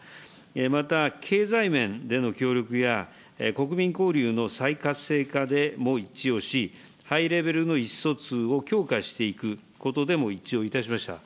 また、経済面での協力や、国民交流の再活性化でも一致をし、ハイレベルの意思疎通を強化していくことでも一致をいたしました。